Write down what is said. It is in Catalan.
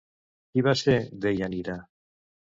Qui va ser Deianira?